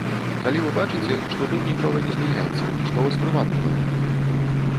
Калі вы бачыце, што тут нічога не змяняецца, што вас прываблівае?